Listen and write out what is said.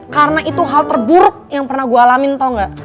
karena itu hal terburuk yang pernah gue alamin tau gak